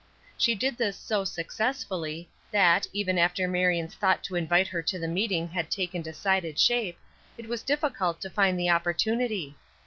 She did this so successfully, that, even after Marion's thought to invite her to the meeting had taken decided shape, it was difficult to find the opportunity.